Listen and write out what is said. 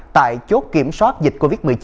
tại chốt kiểm soát dịch covid một mươi chín